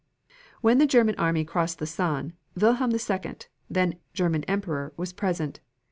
When the German army crossed the San, Wilhelm II, then German Emperor, was present.